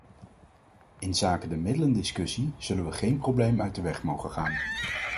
Inzake de middelendiscussie zullen we geen problemen uit de weg mogen gaan.